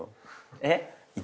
えっ？